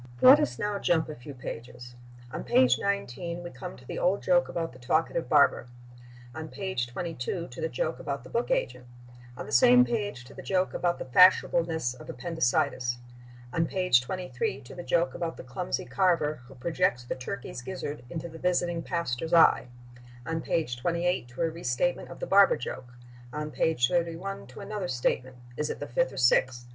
Let us now jump a few pages. On page 19 we come to the old joke about the talkative barber; on page 22 to the joke about the book agent; on the same page to the joke about the fashionableness of appendicitis; on page 23 to the joke about the clumsy carver who projects the turkey's gizzard into the visiting pastor's eye; on page 28 to a restatement of the barber joke; on page 31 to another statement—is it the fifth or sixth?